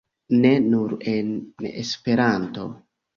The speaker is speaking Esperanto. Ne nur en Esperanto.